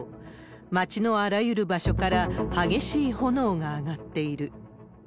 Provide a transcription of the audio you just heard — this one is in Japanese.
街のあらゆる場所から、激しい炎が上がっている。